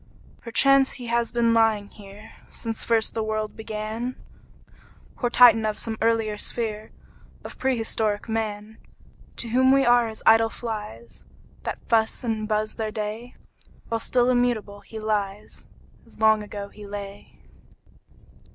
Perchance he has been lying here Since first the world began, Poor Titan of some earlier sphere Of prehistoric Man! To whom we are as idle flies, That fuss and buzz their day; While still immutable he lies, As long ago he lay.